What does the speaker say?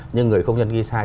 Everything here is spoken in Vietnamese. nhưng người công nhân ghi sai